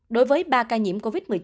đối với ba ca nhiễm covid một mươi chín